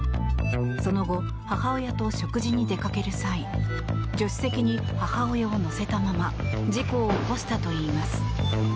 その後、母親と食事に出かける際助手席に母親を乗せたまま事故を起こしたといいます。